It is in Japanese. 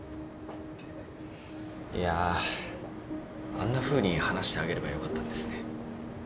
いやぁあんなふうに話してあげればよかったんですね。